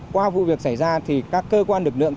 qua vụ việc xảy ra thì các cơ quan lực lượng